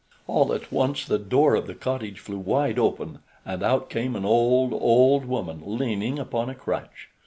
All at once the door of the cottage flew wide open, and out came an old, old woman, leaning upon a crutch.